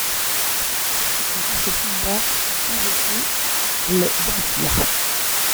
Cependant ses pouvoirs sont sans effet sur les dhampires.